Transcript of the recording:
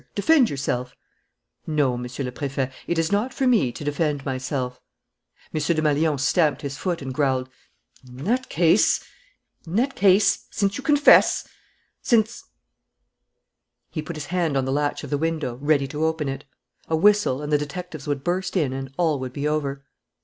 Defend yourself!" "No, Monsieur le Préfet, it is not for me to defend myself," M. Desmalions stamped his foot and growled: "In that case ... in that case ... since you confess ... since " He put his hand on the latch of the window, ready to open it. A whistle, and the detectives would burst in and all would be over.